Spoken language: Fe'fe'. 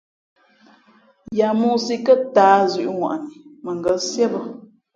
Ya mōō sǐ kάtǎh zʉ̄ʼŋwαʼni mα ngα̌ síé bᾱ.